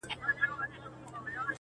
نسته له میرو سره کیسې د سوي میني،